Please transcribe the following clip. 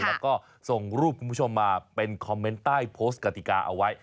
แล้วก็ส่งรูปคุณผู้ชมมาเป็นคอมเมนต์ใต้โพสต์กติกาเอาไว้